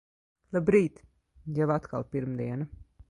Labrīt. Jau atkal pirmdiena.